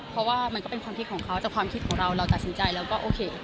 เพราะว่ามันก็เป็นความคิดของเขาแต่ความคิดของเราเราตัดสินใจแล้วก็โอเค